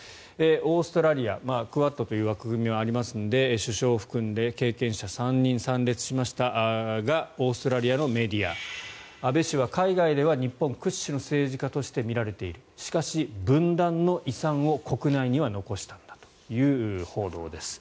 オーストラリアクアッドという枠組みがありますので首相含んで経験者３人参列しましたがオーストラリアのメディア安倍氏は海外では日本屈指の政治家として見られているがしかし、分断の遺産を国内には残したんだという報道です。